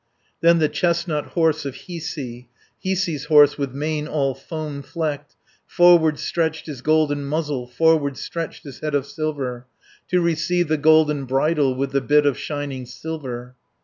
Then the chestnut horse of Hiisi, Hiisi's horse, with mane all foam flecked Forward stretched his golden muzzle, Forward reached his head of silver, To receive the golden bridle, With the bit of shining silver.